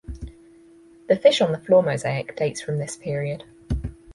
The fish on the floor mosaic dates from this period.